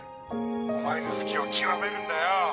☎お前の好きをきわめるんだよ